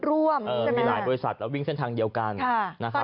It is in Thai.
ร่วมใช่ไหมมีหลายบริษัทวิ่งเส้นทางเดียวกัน